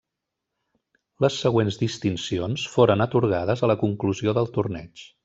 Les següents distincions foren atorgades a la conclusió del torneig.